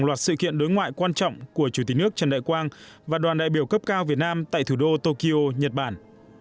đây là sự kiện đối ngoại quan trọng của chủ tịch nước trần đại quang và đoàn đại biểu cấp cao việt nam tại thủ đô tokyo nhật bản